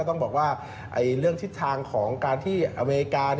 ต้องบอกว่าเรื่องทิศทางของการที่อเมริกา